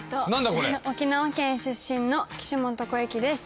これ沖縄県出身の岸本小雪です